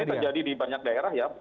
dan ini terjadi di banyak daerah ya